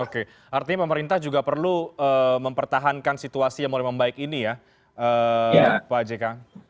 oke artinya pemerintah juga perlu mempertahankan situasi yang mulai membaik ini ya pak jk